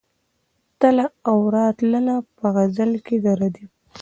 تله او راتله په غزل کې ردیف دی.